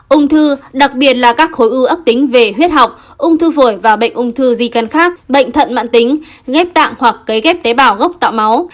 ung thư đặc biệt là các khối u tính về huyết học ung thư phổi và bệnh ung thư di căn khác bệnh thận mạng tính ghép tạng hoặc cấy ghép tế bào gốc tạo máu